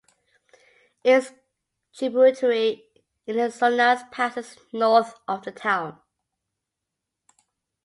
Its tributary Elissonas passes north of the town.